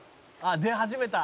「出始めた！」